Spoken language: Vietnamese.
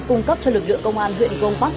cung cấp cho lực lượng công an huyện grong park